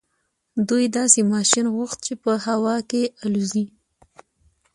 دوی داسې ماشين غوښت چې په هوا کې الوځي.